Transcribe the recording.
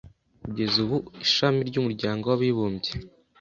Kugeza ubu ishami ry'umuryango w'abibumbye